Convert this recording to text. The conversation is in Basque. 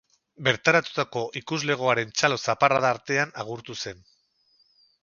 Bertaratutako ikuslegoaren txalo zaparrada artean agurtu zen.